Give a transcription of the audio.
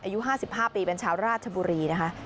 อายุ๕๕ปีเป็นชาวราชบุรีนะคะ